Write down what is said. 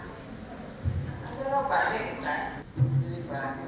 itu apaan ini